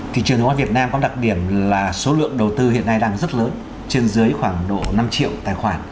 thị trường hàng hóa việt nam có đặc điểm là số lượng đầu tư hiện nay đang rất lớn trên dưới khoảng độ năm triệu tài khoản